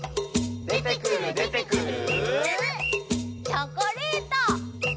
チョコレート！